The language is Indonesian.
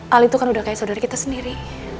ali tuh kan udah kayak saudara kita sendiri